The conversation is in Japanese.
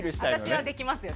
私はできますよ。